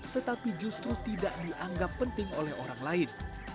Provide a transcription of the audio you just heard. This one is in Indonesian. tetapi justru tidak dianggap penting oleh orang lain